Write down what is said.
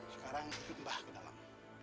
sekarang ikut mbah ke dalam